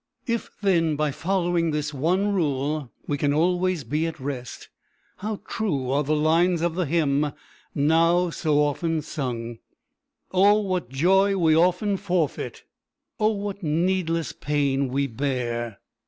If, then, by following this one rule we can always be at rest, how true are the lines of the hymn now so often sung: "Oh, what joy we often forfeit! Oh, what needless pain we bear!